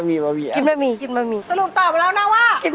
ไม่ใช่เลือกมาแล้วนะครับ